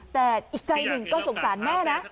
แต่อีกใจหนึ่งก็สงสารแม่นะ